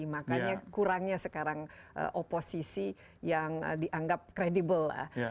makanya kurangnya sekarang oposisi yang dianggap kredibel